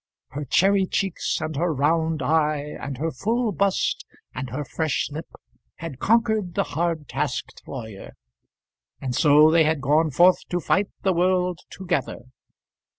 Her cherry cheeks, and her round eye, and her full bust, and her fresh lip, had conquered the hard tasked lawyer; and so they had gone forth to fight the world together.